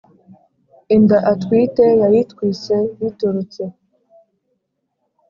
Inda atwite yayitwise biturutse